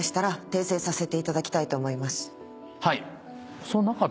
はい。